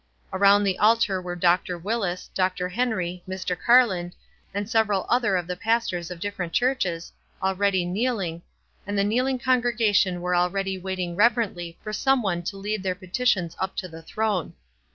Around the altar were Dr. Willis, Dr. Henry, Mr. Carland, and several other of the pastors of different churches, already kneeling, and the kneeling congregation were already waiting rev erently for some one to lead their petitions up to the throne.